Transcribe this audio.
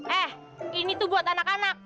eh ini tuh buat anak anak